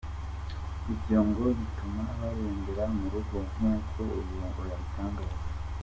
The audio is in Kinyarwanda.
Ibyo ngo bituma barembera mu rugo, nk’uko uyu abitangaza.